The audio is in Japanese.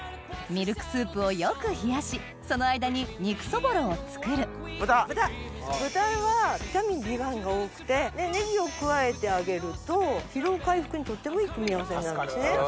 ミルクスープをよく冷やしその間に肉そぼろを作る豚はビタミンＢ１が多くてネギを加えてあげると疲労回復にとってもいい組み合わせになるんですね。